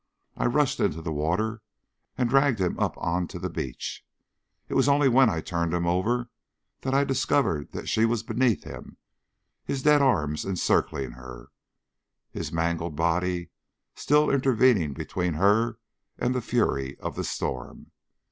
I rushed into the water and dragged him up on to the beach. It was only when I turned him over that I discovered that she was beneath him, his dead arms encircling her, his mangled body still intervening between her and the fury of the storm.